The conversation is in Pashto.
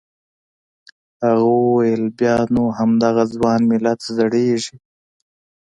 هغه وویل بیا نو همدغه ځوان ملت زړیږي.